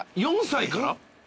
４歳から？